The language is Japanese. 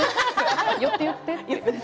寄って寄ってって。